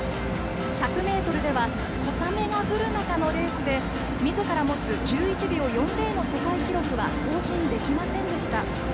１００ｍでは小雨が降る中のレースでみずから持つ１１秒４０の世界記録は更新できませんでした。